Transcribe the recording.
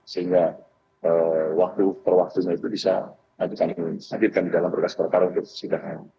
sehingga waktu perwaktunya itu bisa kita menyediakan di dalam berkas perkarunan